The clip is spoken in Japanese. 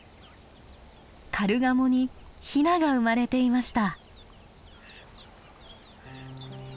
カルガモにひなが生まれていました。